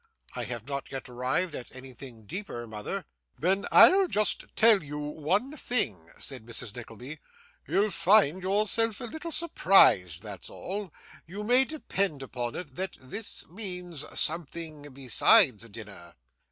'I have not yet arrived at anything deeper, mother.' 'Then I'll just tell you one thing,' said Mrs. Nickleby, you'll find yourself a little surprised; that's all. You may depend upon it that this means something besides dinner.